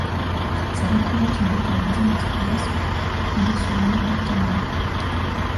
Ça représente une belle cargaison d'expériences et de souvenirs, l'âge d'un homme!